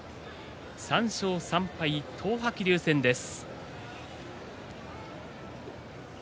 ３勝３敗の東白龍戦です。